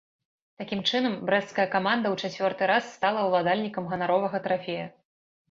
Такім чынам, брэсцкая каманда ў чацвёрты раз стала ўладальнікам ганаровага трафея.